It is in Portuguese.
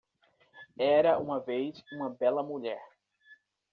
era uma vez uma bela mulher